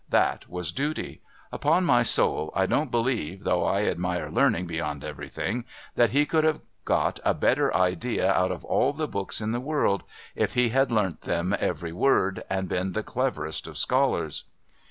That was. Duty. Upon my soul, I don't believe, though I admire learning beyond everything, that he could have got a better idea out of all the books in the world, if he had learnt them every word, and been the cleverest of scholars.